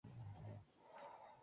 La sede del condado es Pembroke.